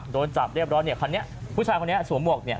โดนจับเรียบร้อยเนี่ยคันนี้ผู้ชายคนนี้สวมหวกเนี่ย